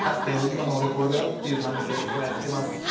今の俺これだよっていう感じでこうやってます。